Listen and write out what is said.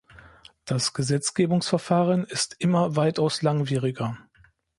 Das Gesetzgebungsverfahren ist immer weitaus langwieriger.